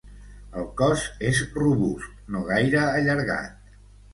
El cos és robust, no gaire allargat.